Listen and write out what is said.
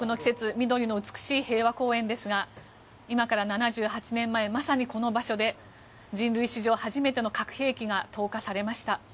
緑の美しい平和公園ですが今から７８年前まさにこの場所で人類史上初めての核兵器が投下されました。